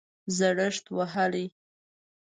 زړښت وهلی